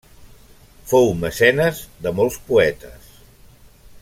Fou mecenes de molts poetes.